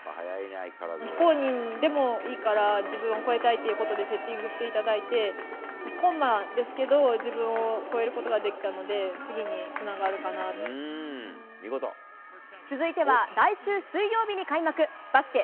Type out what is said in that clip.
非公認でもいいから、自分を超えたいっていうことでセッティングしていただいて、コンマですけど、自分を超えることができたので、次につながるか続いては来週水曜日に開幕、バスケ